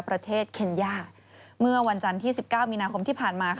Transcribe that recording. ประเทศเคนย่าเมื่อวันจันทร์ที่๑๙มีนาคมที่ผ่านมา